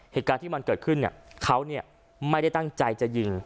เหตุการณ์ที่มันเกิดขึ้นเขาไม่ได้ตั้งใจจะยิง